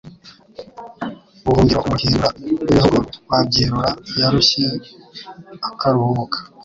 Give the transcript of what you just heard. Buhungiro umuhindura w'ibihugu Wabyirura yarushye akaruhuka.